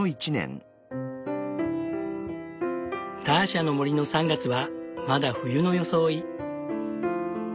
ターシャの森の３月はまだ冬の装い。